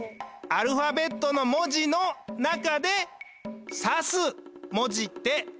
「アルファベットの文字の中でさす文字ってなんだ？」ってこと。